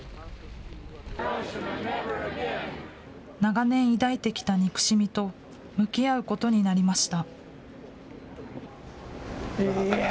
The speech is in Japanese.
長年抱いてきた憎しみと向き合うことになりました。